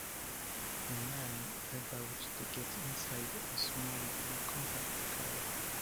A man about to get inside a small blue compact car.